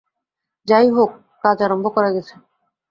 যাই হোক, কাজ আরম্ভ করা গেছে।